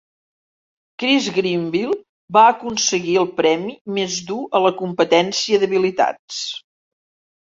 Chris Grenville va aconseguir el premi més dur a la competència d'habilitats.